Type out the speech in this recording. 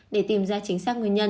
để tìm ra chính xác nguyên nhân